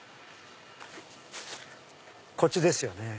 こっちですよね